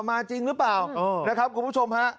มาจริงหรือเปล่านะครับคุณผู้ชมฮะ